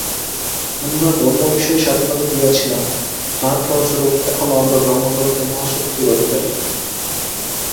আমরা ধর্মবিষয়ে স্বাধীনতা দিয়াছিলাম, তাহার ফলস্বরূপ এখনও আমরা ধর্মজগতে মহাশক্তির অধিকারী।